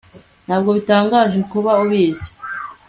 Ntabwo bitangaje kuba ubizi